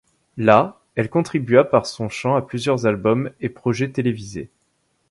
Là, elle contribua par son chant à plusieurs albums et projets télévisés.